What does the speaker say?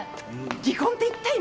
離婚って言った今？